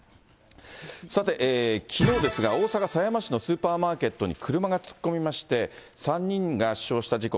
さて、きのうですが、大阪狭山市のスーパーマーケットに車が突っ込みまして、３人が死傷した事故。